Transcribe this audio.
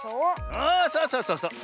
あそうそうそうそう。